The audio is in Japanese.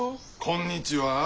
こんにちは。